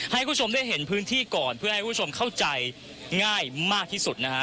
ให้คุณผู้ชมได้เห็นพื้นที่ก่อนเพื่อให้คุณผู้ชมเข้าใจง่ายมากที่สุดนะฮะ